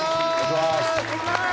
お願いします